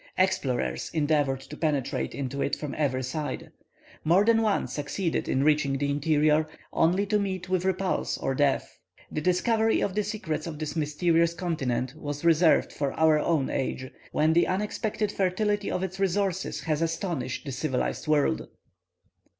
Explorers endeavoured to penetrate into it from every side. More than one succeeded in reaching the interior, only to meet with repulse or death. The discovery of the secrets of this mysterious continent was reserved for our own age, when the unexpected fertility of its resources has astonished the civilized world.